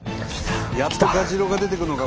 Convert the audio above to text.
やっとガジロウが出てくるのか